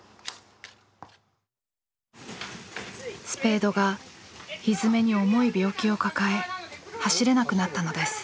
スペードがひづめに重い病気を抱え走れなくなったのです。